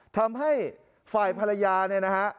ทำให้ฝ่ายภรรยาเนี่ยนะฮะ